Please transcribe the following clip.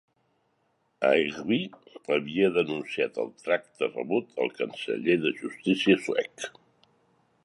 Haijby havia denunciat el tracte rebut al canceller de justícia suec.